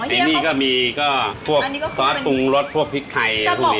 เองนี่ก็มีก็พวกซอสปรุงรสพวกพริกไทยพวกนี้